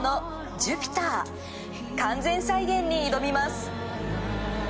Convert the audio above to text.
完全再現に挑みます。